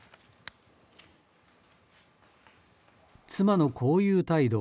妻のこういう態度